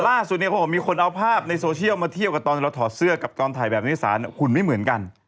ล่าสุดเนี่ยเขาบอกมีคนเอาภาพในโซเชียลมาเที่ยวกับตอนเราถอดเสื้อกับตอนถ่ายแบบในสารหุ่นไม่เหมือนกัน